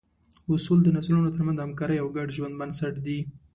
اصول د نسلونو تر منځ د همکارۍ او ګډ ژوند بنسټ دي.